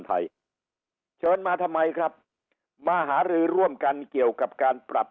ไทยเชิญมาทำไมครับมาหารือร่วมกันเกี่ยวกับการปรับ